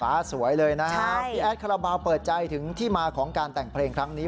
สวยเลยนะฮะพี่แอดคาราบาลเปิดใจถึงที่มาของการแต่งเพลงครั้งนี้